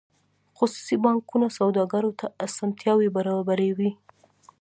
خصوصي بانکونه سوداګرو ته اسانتیاوې برابروي